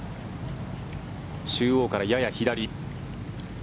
中央からやや左。